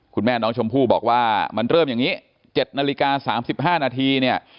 คุณแม่น้องชมพู่บอกว่ามันเริ่มอย่างนี้๗นาฬิกา๓๕นาทีเนี่ย